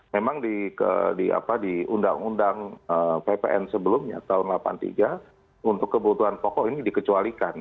memang di undang undang ppn sebelumnya tahun seribu sembilan ratus delapan puluh tiga untuk kebutuhan pokok ini dikecualikan